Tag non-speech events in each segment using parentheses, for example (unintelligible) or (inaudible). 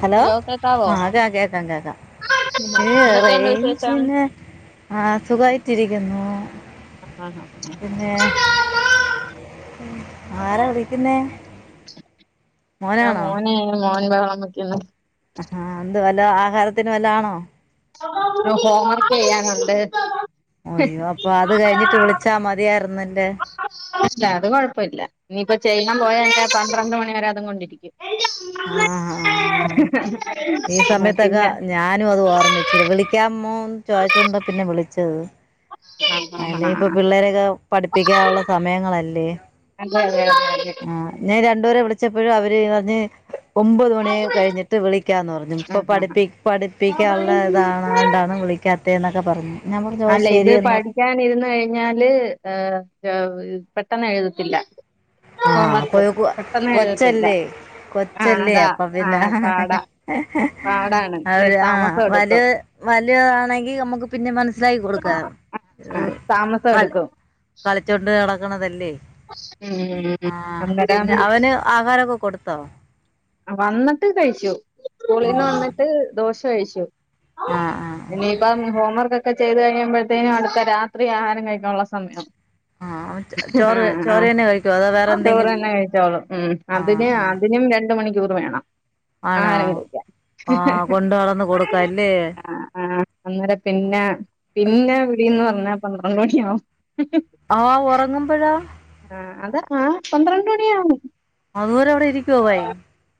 Hello ആഹ് കേ കേക്കാ കേക്കാ ഈ എന്തൊക്കെയുണ്ട് വിശേഷം റെയ്ഞ്ച്ന് ആഹ് സുഖായിട്ടിരിക്കുന്നു. പിന്നെ (unintelligible) ആരാ വിളിക്കുന്നെ?. ഞൻ മോനെ മോൻ ബഹളം വക്കന്ന്. ആഹ് എന്ത് വല്ല ആഹാരത്തിന് വല്ല ആണോ. നു ഹോം വർക്ക് ചെയ്യാനുണ്ട്. അയ്യോ അപ്പൊ അത് കഴിഞ്ഞിട്ട് വിളിച്ചാ മതിയായിരുന്നല്ലേ?. അല്ല അത് കൊഴപ്പല്ല. ഇനിയിപ്പ ചെയ്യാ പോയ കഴിഞ്ഞാ പന്ത്രണ്ട് മണി വരെ അതും കൊണ്ടിരിക്കും. ആ ആ ആ പിന്നെ ഞാനു അത് ഓർമ്മിച്ചില്ല. വിളിക്കാമോന്ന് ചോദച്ചോണ്ട പിന്നെ വിളിച്ചത്. ആഹ് ആഹ് അലെ ഇപ്പൊ ആഹ് പിള്ളേരൊക്കെ പഠിപ്പിക്കാവുള്ള സമയങ്ങളല്ലേ?. അതെ അതെ അതെ ആഹ് ഞാന് രണ്ടുപേരെ വിളിച്ചപ്പോഴും അവര് പറഞ്ഞ് ഒമ്പത് മണി ണി അതെ കയിഞ്ഞിട്ട് വിളിക്കാന്നറഞ്ഞു ഇപ്പൊ പഠിപ്പി ആഹ് ആഹ് പഠിപ്പിക്കാള്ളതാണാണ്ടാണ് വിളി ക്കത്തെ ന്നൊക്കെ പറഞ്ഞു. ഞാൻ പറഞ്ഞു ഓ അല്ല ഇത് ശരിയെന്ന് പഠിക്കൻ ഇരുന്ന് കഴിഞ്ഞാല് ഏഹ് പെട്ടെന്ന് എഴുതത്തില്ല. ആഹ് ഹോംവർക്ക് കൊയിക്കു പെട്ടെന്ന് എഴുതത്തില്ല കൊച്ചല്ലേ ആ കൊച്ചല്ലേ അതാ അപ്പൊ ആ പിന്നെ പാടാ പാടാണ് ഇച്ചിരി അവര് ആഹ് താമസം വലു എടുക്കും വല്യതാണെങ്കി നമുക്ക് പിന്നെ മനസ്സിലാക്കി കൊടുക്കാ ആ ഉം താമസം കല എടുക്കും കളിച്ചോണ്ട് നടക്കണതല്ലേ?. (unintelligible) ഉം ഉം ആഹ് പിന്നെ അവന് ആഹാരൊക്കെ കൊടുത്തോ?. വന്നിട്ട് കഴിച്ചു. ഉം സ്കൂളിന്ന് വന്നിട്ട് ദോശ കഴിച്ചു. അ ആഹ് പ്പം ഹോംവർക്കൊകെ ചെയ്ത് കഴിയുമ്പോഴ്ത്തെന് അടുത്ത രാത്രി ആഹാരം കഴിക്കാനുള്ള സമയാവും ആഹ് ചോറ് ആഹ് ചോറ് തന്നെ കഴിക്കുവോ അതോ വേറെ ആഹ് ചോറ് എന്തെങ്കിലും തന്നെ കഴിച്ചോളൂ ഉം ആഹ് അതിന് ആഹ് അതിനും രണ്ട് ണ്ട് മണിക്കൂർ വേണം ആണോ ആഹാരം കഴിക്കാൻ ആഹ് കൊണ്ട് നടന്ന് കൊടുക്കാല്ലേ ആഹ് ആഹ് അന്നേരം പിന്ന പിന്നെ വിളീന്ന് പറഞ്ഞാ പന്ത്രണ്ട് മണിയാവും ആഹ് ഉറങ്ങുമ്പോഴാ അഹ് ആഹ് അത് ആഹ് പന്ത്രണ്ട് മണിയാവും അതുവരെ അവിടെ ഇരിക്കോ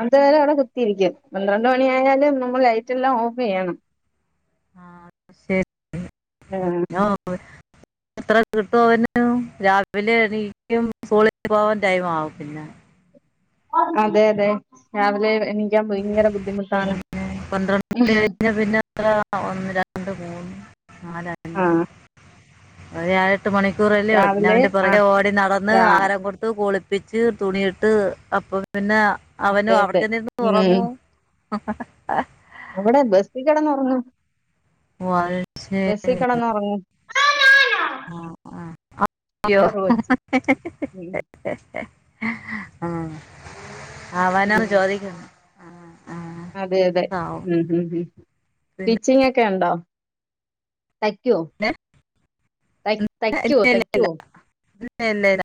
അത് വരെ അവടെ കുത്തിയിരിക്കും പന്ത്രണ്ട് മണിയായാല് നമ്മൾ ലൈറ്റെല്ലാം ഓഫീയ്യണം ആഹ് ശരി ആഹ് (unintelligible) എത്ര കിട്ടു അവന് രാവിലെ എണീക്കും സ്കൂളി പോവാൻ ടൈമാവും പിന്ന അതെ അതെ രാവിലെ എണീക്കാ ഭയങ്കര ബുദ്ധിമു പിന്ന പന്ത്രണ്ട് മണി കഴ്ഞ്ഞ പിന്നെ ഒന്ന് രണ്ട് മൂന്ന് നാല് അഞ്ച് ആഹ് ഒരു ഏഴട്ട് മണിക്കൂറല്ലെ ഉള്ളു പിന്ന രാവിലെ അവന്റെ പുറകെ ആഹ് ഓടി നടന്ന് രാ ആഹാരം കൊടുത്ത് കുളി പ്പിച്ച് തുണിയിട്ട് അപ്പ പിന്നെ അവനു അതെ അവടെ അതെ തന്നിരിന്ന് ഉം ഒറങ്ങു അവടെ ബസ്സി കെടന്ന ഒറങ്ങും വൾശേ ബസ്സി കെടന്ന് ഒറങ്ങും ആഹ് ആഹ് കേറും വെച്ച് ഉം ആഹ് അവനാണ് ഉം ചോദിക്ക്ന്ന് അതെ അതെ ഉം ഉം ഉം പിന്നെ ട്ടീച്ചിങ്ങൊക്കെ ഉണ്ടൊ തയ്ക്യൊ ല ഇല്ല ഇല്ല തയ്ക്കുവോ ഇല്ല ഇല്ല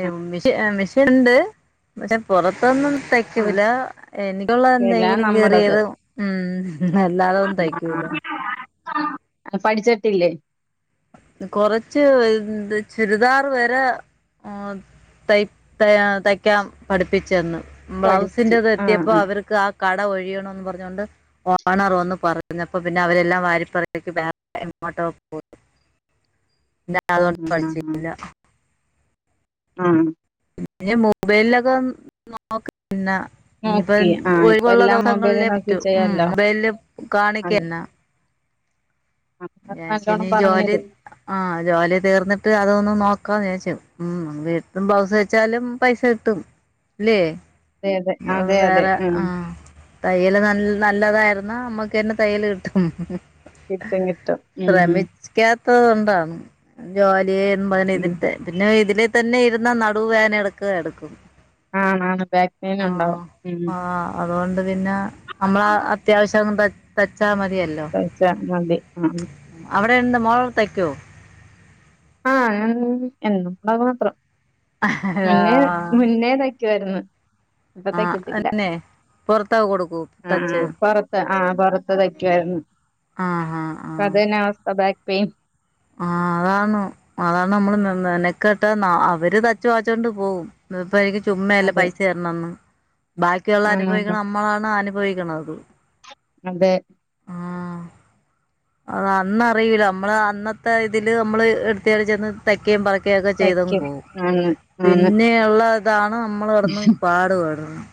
ഏഹ് മിഷൻ മിഷന്ണ്ട് പക്ഷെ പൊറത്തൊന്നും തയ് ആഹ് തയ്ക്കൂല എനിക്കുള്ള ഇല്ല എന്തെങ്കിലും നമ്മടത് ചെറിയത് ഉം അല്ലാതൊന്നും തയ്ക്കൂല പഠ്ജട്ടില്ലെ കൊറച്ച് ചുരിദാറ് വരെ ഓഹ് തയ് തയ് ആഹ് തയ്ക്കാ പഠിപ്പിച്ച് തന്ന് പഠിച്ച് ബ്ലൗസിന്റത് ആഹ് എത്തിയപ്പൊ ആഹ് അവർക്ക് ആഹ് കട ഒഴിയണൊന്ന് പറഞ്ഞോണ്ട് ഓണർ വന്ന് പറഞ്ഞപ്പൊ പിന്നെ അവരെല്ലാം വാരി പെർക്കി എങ്ങോട്ടോ പോയി അതു കൊണ്ട് ഉം ഉം ഉം പഠിച്ചില്ല ആഹ് പിന്നെ മൊബൈലിലൊക്ക നോക്ക്ന്ന ഇഞിപ്പ നോക്കി ആഹ് ഇപ്പ ഒഴിവ്ള്ള എല്ലാം മൊബൈലിൽ ദിവസങ്ങൾലെ നോക്കി പറ്റു ഉം ചെയ്യാലോ മൊബൈൽല് അത് കാണിക്ക്ന്ന അത് ഏശിന് നല്ലോണം ജോലി പറഞ്ഞരും ആഹ് ജോലി തീർന്ന്ട്ട് അതൊന്ന് നോക്കാന്ന് വിചാരിച് ഉം വീട്ടും ബ്ലൗസ് വെച്ചാലും പൈസ കിട്ടും ഇല്ലേ അതെ അതെ അതെ അതെ വേറെ ഉം ആഹ് തയ്യല് നല്ലതായിര്ന്നു നമ്മക്ക് തന്നെ തയ്യല് കിട്ടും ഇച്ചും കിട്ടു ഉം കേൾക്ണുണ്ടൊ ജോലി എന്ന് പറ്ഞ്ഞു ഉം ഇതിത്തെ പിന്നെ ഇതില് തന്നെ ഇര്ന്ന നടു വേദന എട്ക്കും എട്ക്കും ആഹ് നാ ബാഗ് ആഹ് ആഹ് അതുകൊണ്ട് പിന്ന നമ്മളാ അത്യാവശ്യം തച്ചാ മതിയല്ലൊ വെച്ച മതി ആഹ് അവടെന്ത മോള് തയ്ക്കൊ ആഹ് ഞ എന്ന അത് മാത്രം മുന്നേ ആഹ് മുന്നേത തയ്ക്കുവാരുന്നു ആഹ് ഇപ്പതയ്ക്കതില്ല അന്നെ പൊറത്താ കൊടുക്കൂ തച്ച് ആഹ് ആഹ് പൊറ്ത്ത് നിക്കുവായിരുന്നു ആഹ് ആഹ് അ ആഹ് അതെന്നെ അവസ്ഥ ബാക്ക് പെയിൻ ആഹ് അതാണൊ അതാണ് നമ്മള് മെനക്കെട്ട ന്ന അവര് തച്ച് വാച്ചോണ്ട് പോകും ഇപ്പോ എനിക്ക് ചുമ്മ അല്ലെ അതെ പൈസ തരണംന്ന് ബാക്കിയുള്ള ആണാണ് അനുഭവിക്ക്ണ നമ്മളാണ് അനുഭവിക്ക്ണത് അതെ ആഹ് അന്നറിയൂല നമ്മള് അന്ന ഇതില് നമ്മള് ഇട്ത്താടി ചെന്ന് തയ്ക്കെം ബാക്കിയാക ചെയ്തങ്ങ് തയ്ക്കും. പോകും ആണ് ആണ് പിന്നെയള്ളതാണ് നമ്മൾ കെടന്ന് പാടുപെടുന്നത്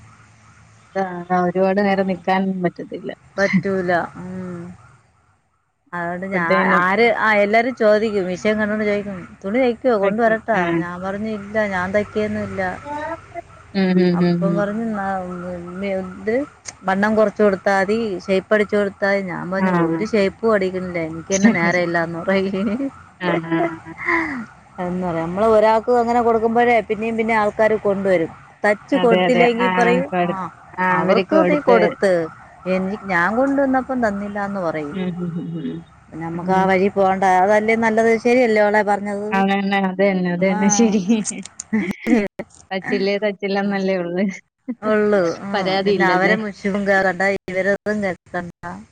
ആഹ് ഒരുപാട് നേരം നിക്കാൻ പറ്റത്തില്ല പറ്റൂല ഉം അതുകൊണ്ട് ഞാ അപ്പഴത്തേനും ആര് ആഹ് എല്ലാരും ചോദിക്കും വിഷയം കണ്ടോണ്ട് ചോദിക്കും തുണി കൈക് ക്കെയോ കൊണ്ട് തയ്ക്കും വരട്ട ആഹ് ഞാൻ പറഞ്ഞ് ഇല്ല ഞാൻ തയ്ക്കേന്നുല്ല ങ്ങളെ ഫ്രണ്ട് അപ്പം പറ ഉം ആഹ് ഇത് വണ്ണം കുറച്ച് കൊടുത്താ മതി ഷേപ്പടിച്ച് കൊടുത്താ ഞാൻ അമ്മാ ഞാൻ ആഹ് ഒരു ഷേപ്പും അടിക്ക്ണില്ലേ എനിക്കയ്ന് നേരല്ലന്ന്റയും ആഹ് എന്നാറിയാ നമ്മള് ഒരാൾക്ക് അങ്ങനെ കൊടുക്കുമ്പോഴേ പിന്നേ പിന്നേ ആൾക്കാര് കൊണ്ടുവരും തയ്ച്ച് അതെ അതെ കൊടുത്തില്ലെങ്കിൽ ആഹ് പറയും കൊടു ആഹ് ആഹ് അവര്ക്ക് അവർക്ക് നീ കൊടുത്ത് എനി ഞാൻ കൊണ്ടുവന്നപ്പോ കൊണ്ട് വന്നപ്പം തന്നില്ലാന്ന് പറയും ഉം ഉം ഉം നമുക്കാ ഉം വഴി പോണ്ട അതല്ലേ നല്ലത് ശരിയല്ലേളെ പറഞ്ഞത് അങ്ങനന്നെ അത് തന്നെ അത് ആ തന്നെ ശെരി തയ്ച്ചില്ലേ തയ്ച്ചില്ല നല്ലേയുള്ളെ പരാതിയില്ലല്ലേ ശിവംഗാരണ്ട (unintelligible)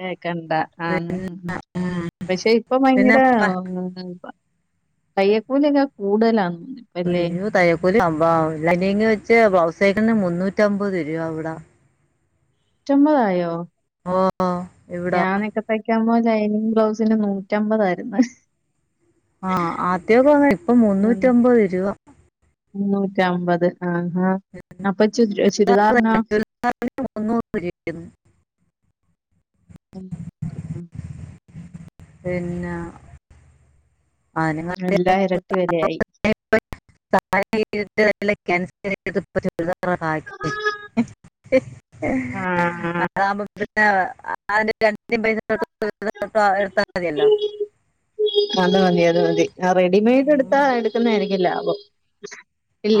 കെക്കണ്ടാ ആഹ് ന്ന് ഉം പക്ഷെ ഇപ്പൊ പിന്നെ ഭയങ്കര പ- മൂകമ്പ തയ്യൽ ക്കൂല്യൊക്കെ കൂടുതലാന്ന് ഇപ്പല്ലേ ഒരു തയക്കൂല ലൈനിങ് വെച്ച് ബ്ലൗസയിക്കന്ന് മുന്നൂറ്റമ്പത് രുൂപ ഇവിട നൂറ്റമ്പതായോ ഓഹ് ഞാൻ നക്കത്തയ്ക്ക്മ്പോ ഡൈനിംഗ് ബ്ലൗസിന് നൂറ്റമ്പതായിരുന്നു ആഹ് ആദ്യക്കങ്ങനെ ഇപ്പൊ ഉം മൂന്നൂറ്റി അമ്പത് രൂപ മുന്നൂറ്റമ്പത് ആഹ് ആഹ് അപ്പൊ ചു ചുരിദാർനോ പ്പ അതിന് മുന്നൂറ് രൂപ ചെയ്ത് ഉം ഉം പിന്ന ആന എല്ലാം ഇരട്ടി വിലയായി (unintelligible) അതാവുമ്പോ പിന്നെ അഹ് രണ്ടിൻ്റം പൈസ മാത്രം കൊടുത്താ എടുത്താൽ മതിയല്ലോ അത് മതി അത് മതി ആഹ് റെഡിമെയഡ് എടുത്താ ഉം. എടുക്കുന്നാര്ക്കും ലാഭം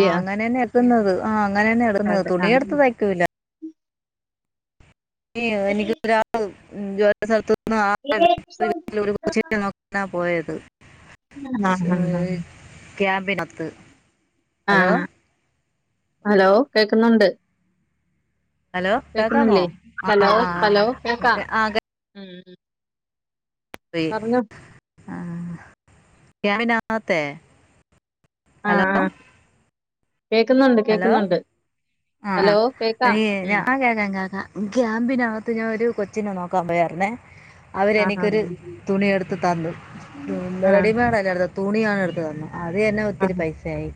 ആഹ് അങ്ങനെന്നെ എടുക്കുന്നത് ആഹ് അങ്ങനെ തന്നെ എട്ക്കുന്നത് അതെ തുണി എടുത്ത് ആഹ് തയ്ക്കൂല്ല എനിക്കൊരാൾ ജോലി സ്ഥലത്ത്ന്ന് (unintelligible) കൊച്ചിനെ നോക്കാനാ പോയത് ആഹ് ആഹ് ഏഹ് ക്യാമ്പിനകത്ത് ഹലോ ആഹ് ഹലോ കേക്കുന്നുണ്ട് ഹലോ കേക്കാമോ കേക്കുന്നില്ലേ ആ ഹലോ ആ ആ. ഹലോ കേക്കാ ആ കേട്ടു ആഹ് ക്യാമ്പിനകത്തെ ഹലോ ആഹ് ആഹ് കേക്കുന്നുണ്ട് ഹലോ കേക്കുന്നുണ്ട് ആഹ് ആഹ് ഹലോ കേക്കാം എനിക്കെയ് ഉം ആഹ് കേക്കാം കേക്കാം ക്യാമ്പിനകത്ത് ഞാൻ ഒരു കൊച്ചിനെ നോക്കാൻ പോയരുന്നേ ആഹ് അവരെനിക്കൊരു ആഹ് തുണി എടുത്ത് തന്നു റെഡിമെയഡല്ലർന്നു തുണിയാണ് എടുത്ത് തന്ന് അത് തന്നെ ഒത്തിരി പൈസയായി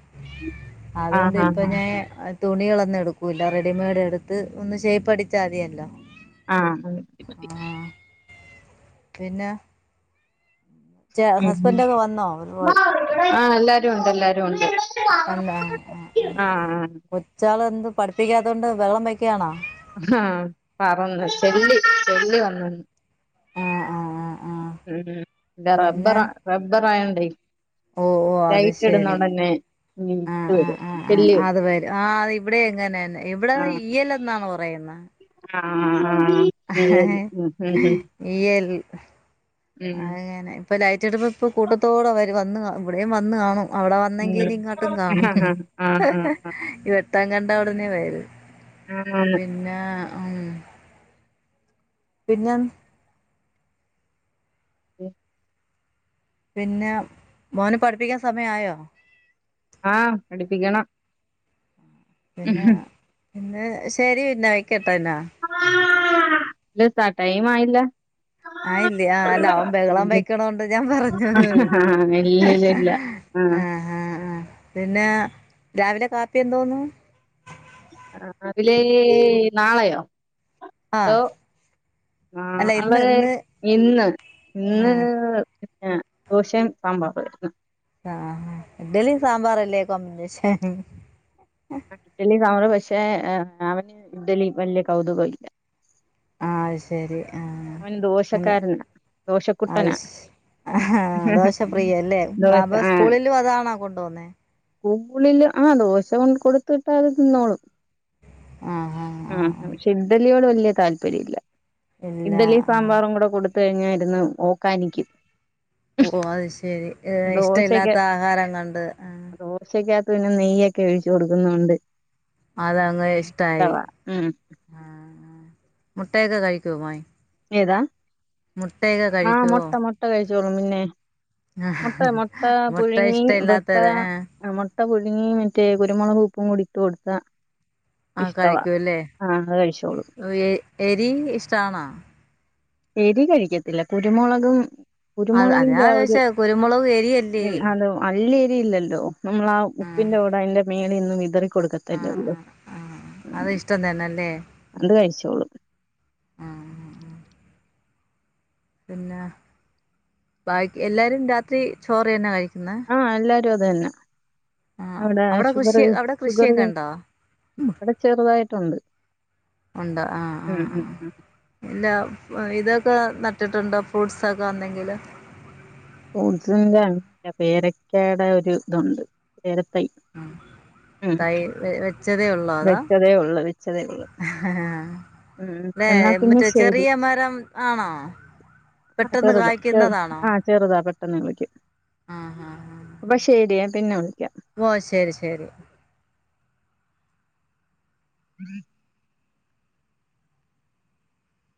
അതുകൊണ്ട് ആഹ് ആഹ് ഇപ്പൊ ആഹ് ഞാൻ അത് തുണികളൊന്നും എടുക്കൂല്ല റെഡിമെയ്ഡ് എടുത്ത് ഒന്ന് ഷേ്പ്പ് അടിച്ചാതിയല്ലോ അഹ് മതി മതി പിന്നാ ചേ ഉം ഹസ്ബെന്റോക്കെ വന്നോ ഉം ആഹ് എല്ലാരുണ്ട് എല്ലാരുണ്ട് വന്നാ ആഹ് ആഹ് കൊച്ചാളന്ത്‌ പഠിപ്പിക്കാത്തൊണ്ട് ബഹളംവെയ്ക്കാണോ ആഹ് പറന്നു ചെല്ലി ചെല്ലി വന്നെന്ന് ആഹ് ആഹ് ആഹ് ആഹ് മ് റബ്ബറ പിന്നെ റബ്ബറായോണ്ടേയ് ഓ ഓ അത് ലൈറ്റ് ശരി ഇടുന്നോടനെ മ് ആഹ് ആഹ് ആഹ് ആഹ് അതുവരും ആഹ് ഇവിടെയിങ്ങനെന്നെ ഇവിടെ ആഹ് ഈയലെന്നാണ് പറയുന്ന ആഹ് ആഹ് ഈയല് മ്ഹ് ഹ് ഈയ്യൽ അങ്ങനെ ഇപ്പം ലൈറ്റ്ടുമ്പം ഇപ്പം കൂട്ടത്തോടെ വരും വന്ന് ക ഇവിടെയും വന്നു കാണും അവിടെവന്നെങ്കി ഉം ഉം ഇനി ഇങ്ങട്ടും കാണും ആഹ് ആഹ് ആഹ് വെട്ടം കണ്ടാ ഉടനെവരും ആന്ന് ആന്ന് പിന്നാ ഹ് മ് പിന്നം ഏ പിന്നേ മോനെ പഠിപ്പിക്കാൻ സമയമായോ? ആഹ് പഠിപ്പിക്കണം പിന്നെ ഉഹും പിന്നെ ശരി പിന്നെ വയ്ക്കട്ടെന്ന ഇല്ലാത്ത ടൈമായില്ലാ ആയില്ലി അല്ല അവൻ ബഹളം വെക്കുണോണ്ട് ഞാൻ പറഞ്ഞത് ഇല്ലില്ലില്ല ആഹ് പിന്നേ രാവിലെ കാപ്പിയെന്തോന്നു രാവിലേ നാളെയോ ആഹ് ആഹ് അല്ല ഇന്ന് നാളെ ഇന്ന് ഇന്ന് ഇന്ന് ആഹ് പിന്നെ ദോശയും സാമ്പാറും ആയിരുന്ന് ആഹ് ഇഡ്ഢലീം സാമ്പാറുംല്ലേ കൊമ്പിനേഷൻ ഇഡ്ഡലി സാമ്പാറും പക്ഷേ അവനു ഇഡ്ഡലി വല്ല്യ കൌതുകമില്ല ആഹ് അത് ശരി ആഹ് അവൻ അങ്ങനെ ദോശക്കാരനാ അത് ദോശക്കുട്ടനാ ശ് ആഹ് ദോശപ്രിയല്ലേ ദോശ കപ സ്കൂളിലുമതാണോ കൊണ്ടൊന്നേ. സ്ക്കൂളില് ആഹ് ദോശകൊടുത്തുവിട്ടാല് അത് തിന്നോളും ആഹ് പക്ഷെ ഇഡ്ഡലിയോട് വലിയ താല്പര്യമില്ല ഇല്ല ഇഡ്ഡലിയും ആഹ് സാമ്പാറുംകൂടെ കൊടുത്തുകയിഞ്ഞാ ഇരുന്ന് ഓ ക്കാനിക്കും ഓഹ് അത്ശരി ഏഹ് ഇഷ്ടല്ലാത്ത ആഹാരം കൊണ്ട് ആഹ് ദോശക്കാത്ത് പിന്ന നെയ്യൊക്കെ ഒഴിച്ചുകൊടുക്കുന്നോണ്ട് അതാങ്ങു ഇഷ്ടായി ഉം ആഹ് മുട്ടയൊക്കെ കഴിക്കോ മോൻ ഏതാ മുട്ടയൊക്കെ ആഹ് കഴിക്കുവോ മുട്ട മുട്ടകയിച്ചോളും പിന്നേ മുട്ട മുട്ട മുട്ട പുഴുങ്ങി ഇഷ്ട (unintelligible) ഇല്ലാത്തവര് ആ ആഹ് മുട്ടപുഴുങ്ങി മറ്റേ കുരുമുളകും ഉപ്പും കൂടി ഇട്ടുകൊടുത്താ ആ ഇഷ്ടവാ കഴിക്കൂല്ലേ ആഹ് അതുകഴിച്ചോളും (unintelligible) എരി ഇഷ്ട്ടാണ? എരി കഴിക്കത്തില്ല കുരുമുളകും അത് കുരുമുളകിന്റെ അതാ ആ ഒരു ചോദിച്ചേ കുരുമുളക് എരിയല്ലേ (unintelligible) നല്ല എരി ഇല്ലല്ലോ നമ്മളാ ഉപ്പിന്റെകൂടെ അയ്‌ന്റെ മേലൊന്നു വിതറി അഹ് ആ കൊടുത്തിട്ടല്ലേ ആ ഉള്ളു ആ ഉം അത് ഇഷ്ടം തന്നെല്ലേ അതുകയിച്ചോളും ആ പിന്നാ ബാക്കി എല്ലാരും രാത്രി ചോറെന്നാ കഴിക്കന്നെ ആഹ് എല്ലാരുതെന്നെ അവിടെ ഷുഗർ കൃഷി അവിടെ ഷുഗർ കൃഷിയൊക്കെ ഉണ്ടോ ഇവിടെ ചെറുതായിട്ടുണ്ട് ഒണ്ട് ആഹ് ഉം ആഹ് ഉം ആഹ് ഉം ഇല്ല ഇതൊക്കെ നട്ടിട്ടുണ്ടോ ഫ്രൂട്ട്സൊക്കെന്തെങ്കിലും ഫ്രൂട്സ് പിന്നെ പേരക്കയുടെ ഒരു ഇതുണ്ട് പേരത്തൈ അഹ് ഉം തൈ വെച്ചതെ ഉള്ളോ അതാ വെച്ചതേ ഉള്ളു വെച്ചതേ ഉള്ളു ഉം വെ എന്നാ പിന്നെ മറ്റേ ശരി ചെറിയ മരം ആണോ ആ പെട്ടെന്ന് ചെറുതാ ചെറു കായ്ക്കുന്നതാണോ ആ ചെറുതാ പെട്ടെന്ന് വിളിക്കും ആ ആ ആ അപ്പൊ ശരിയെ പിന്നെ വിളിക്കാം ഓ ശെരി ശെരി (inaudible)